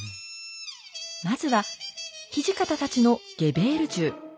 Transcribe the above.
まずは土方たちのゲベール銃。